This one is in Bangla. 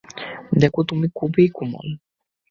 দেখো, তুমি খুবই কোমল।